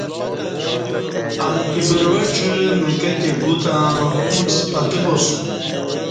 امکی بروژڄہ مکہ تے گُو تہ اوݩڅ پتہ باسوم